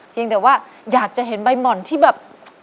เพียงแต่ว่าอยากจะเห็นใบหม่อนที่แบบ